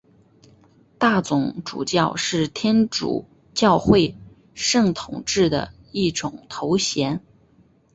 大总主教是天主教会圣统制的一种头衔。